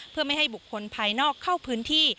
เพื่อไม่ให้บุคคลภายนอกเข้าพื้นที่